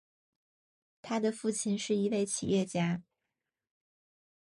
他的父亲是一位企业家。